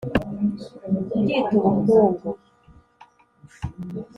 kubyita ubukungu